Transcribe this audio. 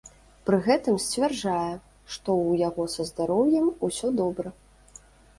Пры гэтым сцвярджае, што ў яго са здароўем усё добра.